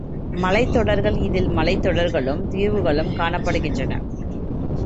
மலைத் தொடர்கள் இதில் மலைத்தொடர்களும் தீவுகளும் காணப் படுகின்றன.